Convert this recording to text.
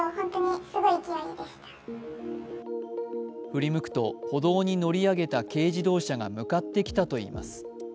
振り向くと、歩道に乗り上げた軽自動車が向かってきたといいます。